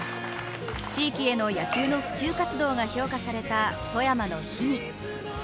地域への野球の普及活動が評価された富山の氷見。